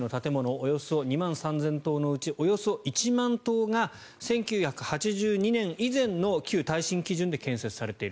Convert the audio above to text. およそ２万３０００棟のうちおよそ１万棟が１９８２年以前の旧耐震基準で建設されている。